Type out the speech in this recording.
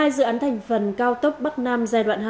một mươi hai dự án thành phần cao tốc bắc nam giai đoạn hai